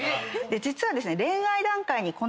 実はですね。